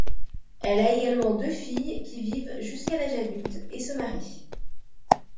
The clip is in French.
Elle a également deux filles qui vivent jusqu'à l'âge adulte et se marient.